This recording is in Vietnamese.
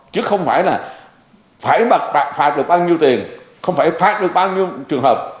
chứ không phải là phải phạt được bao nhiêu tiền không phải phạt được bao nhiêu trường hợp